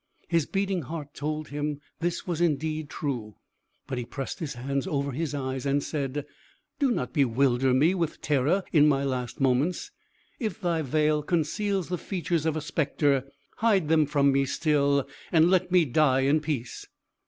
His beating heart told him this was indeed true; but he pressed his hands over his eyes, and said: "Do not bewilder me with terror in my last moments. If thy veil conceals the features of a spectre, hide them from me still, and let me die in peace."